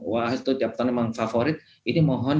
wah itu memang favorit ini mohon